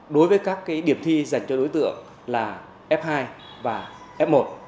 đối với các điểm thi dành cho đối tượng là f hai và f một